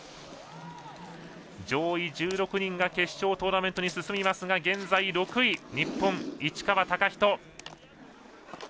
上位１６人が決勝トーナメントに進みますが現在、６位日本の市川貴仁。